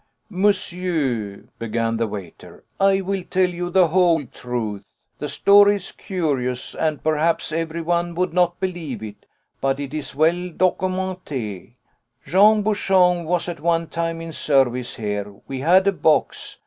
"Monsieur," began the waiter, "I will tell you the whole truth. The story is curious, and perhaps everyone would not believe it, but it is well documentée. Jean Bouchon was at one time in service here. We had a box.